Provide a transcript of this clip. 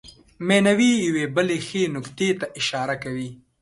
مینوي یوې بلې ښې نکتې ته اشاره کوي.